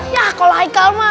ya kalau haikal ma